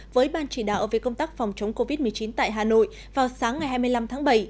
với ban chỉ đạo về công tác phòng chống covid một mươi chín tại hà nội vào sáng ngày hai mươi năm tháng bảy